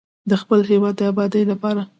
د خپل هیواد د ابادۍ لپاره.